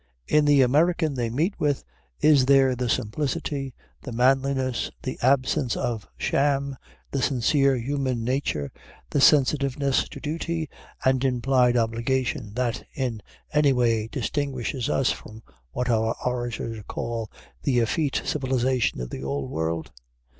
In the American they meet with is there the simplicity, the manliness, the absence of sham, the sincere human nature, the sensitiveness to duty and implied obligation, that in any way distinguishes us from what our orators call "the effete civilization of the Old World"?